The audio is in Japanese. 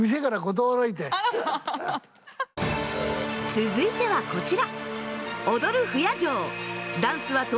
続いてはこちら。